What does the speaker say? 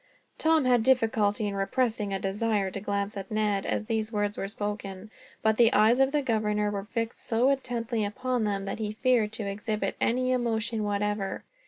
Tom had difficulty in repressing a desire to glance at Ned, as these words were spoken. But the eyes of the governor were fixed so intently upon them, that he feared to exhibit any emotion, whatever.